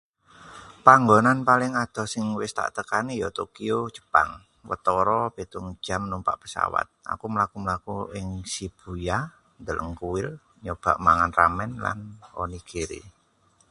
Panggonan paling adoh sing wis tak tekani ya Tokyo, Jepang. Watara 7 jam numpak pesawat. Aku mlaku-mlaku ing Shibuya, ndeleng kuil, nyoba mangan ramen lan onigiri.